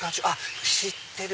知ってる！